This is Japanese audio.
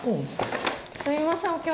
すいません